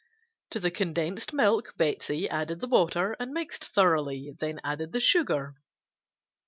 To the condensed milk Betsey added the water and mixed thoroughly, then added the sugar.